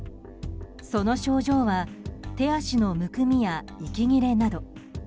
その症状は手足のむくみや息切れなど。